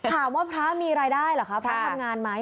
พระมีรายได้เหรอคะพระทำงานไหม